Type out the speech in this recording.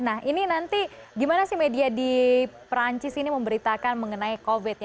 nah ini nanti gimana sih media di perancis ini memberitakan mengenai covid nya